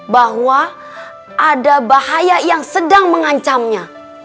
bahwa ada bahaya yang sedang mengancamnya